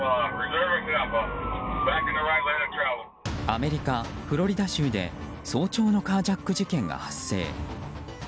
アメリカ・フロリダ州で早朝のカージャック事件が発生。